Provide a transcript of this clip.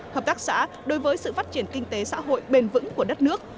hợp tác xã đối với sự phát triển kinh tế xã hội bền vững của đất nước